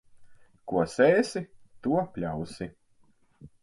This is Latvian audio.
Ko sēsi, to pļausi.